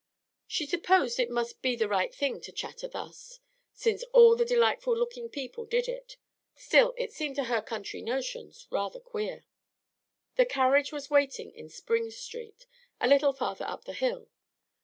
She supposed it must be the right thing to chatter thus, since all these delightful looking people did it; still it seemed to her country notions rather queer. The carriage was waiting in Spring Street, a little farther up the hill.